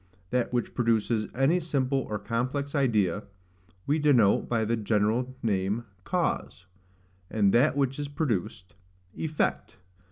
THAT WHICH PRODUCES ANY SIMPLE OR COMPLEX IDEA we denote by the general name, CAUSE, and THAT WHICH IS PRODUCED, EFFECT.